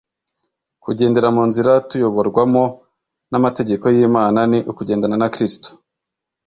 Kugendera mu nzira tuyoborwamo n'amategeko y'Imana ni ukugendana na Kristo